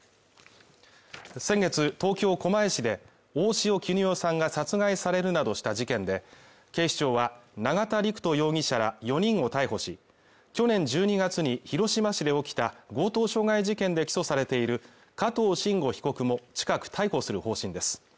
先月、東京・狛江市で大塩衣与さんが殺害されるなどした事件で警視庁は、永田陸人容疑者ら４人を逮捕し、去年１２月に広島市で起きた強盗傷害事件で起訴されている加藤臣吾被告も近く逮捕する方針です。